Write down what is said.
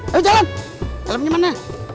ayo jalan ke dalamnya mana